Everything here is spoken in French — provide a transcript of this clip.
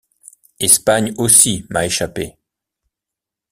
Espagne aussi m’a échappé!